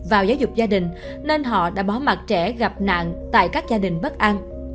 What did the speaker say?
vào giáo dục gia đình nên họ đã bỏ mặt trẻ gặp nạn tại các gia đình bất an